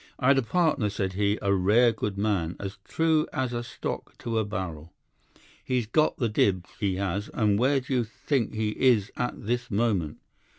"'"I'd a partner," said he, "a rare good man, as true as a stock to a barrel. He's got the dibbs, he has, and where do you think he is at this moment?